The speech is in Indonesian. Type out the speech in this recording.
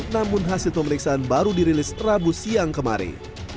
namun hasil pemeriksaan baru dirilis rabu siang kemarin